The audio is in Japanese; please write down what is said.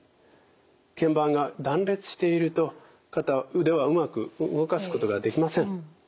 けん板が断裂していると腕はうまく動かすことができません。